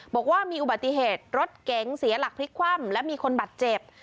บอกว่ามีอุบัติเหตุรถเก๋งเสียหลักพลิกคว่ำและมีคนบาดเจ็บ